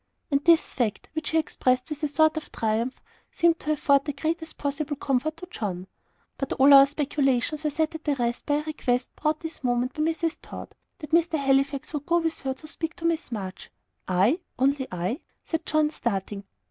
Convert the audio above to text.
And this fact, which he expressed with a sort of triumph, seemed to afford the greatest possible comfort to John. But all our speculations were set at rest by a request brought this moment by Mrs. Tod that Mr. Halifax would go with her to speak to Miss March. "I! only I?" said John, starting.